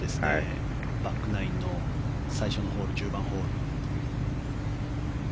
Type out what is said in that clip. バックナインの最初のホール、１０番ホール。